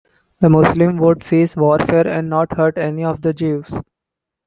The Muslims would cease warfare and not hurt any of the Jews.